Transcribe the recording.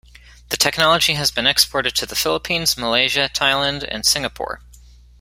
The technology has been exported to the Philippines, Malaysia, Thailand and Singapore.